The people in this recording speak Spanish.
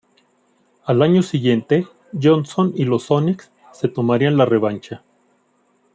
Al año siguiente, Johnson y los Sonics se tomarían la revancha.